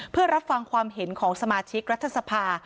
เพื่อรับฟังความเห็นของสมาชิกรัฐสภา